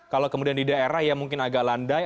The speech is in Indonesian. kalau kemudian di daerah ya mungkin agak landai